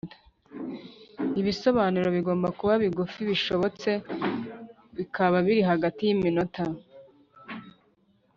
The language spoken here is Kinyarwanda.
Ibisobanuro bigomba kuba bigufi bishobotse bikaba biri hagati y iminota